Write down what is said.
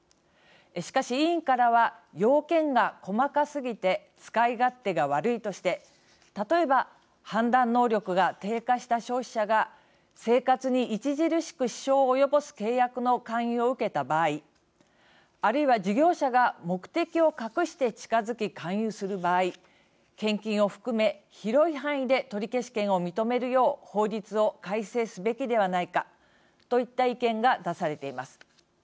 しかし、委員からは要件が細かすぎて使い勝手が悪いとして、例えば判断能力が低下した消費者が生活に著しく支障を及ぼす契約の勧誘を受けた場合あるいは、事業者が目的を隠して近づき勧誘する場合献金を含め、広い範囲で取消権を認めるよう法律を改正すべきではないかといった意見が出されています。